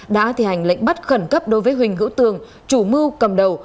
đã thi hành lệnh bắt khẩn cấp đối với huỳnh hữu tường chủ mưu cầm đầu